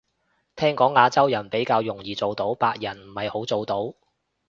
聽講亞洲人比較容易做到，白人唔係好做到